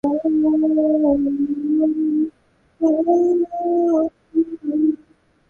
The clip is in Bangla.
মার্কিন প্রেসিডেন্ট বারাক ওবামার শীর্ষ কর্মকর্তারাই ইরাকের সঙ্গে একটি নিরাপত্তা চুক্তিতে বাদ সাধেন।